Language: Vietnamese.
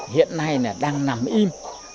hiện nay là đang nằm im